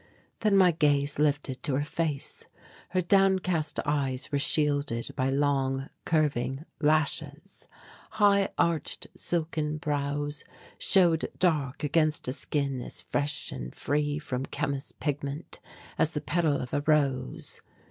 Then my gaze lifted to her face. Her downcast eyes were shielded by long curving lashes; high arched silken brows showed dark against a skin as fresh and free from chemist's pigment as the petal of a rose.